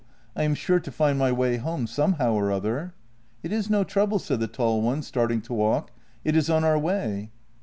I am sure to find my way home somehow or other." " It is no trouble," said the tall one, starting to walk; " it is on our way."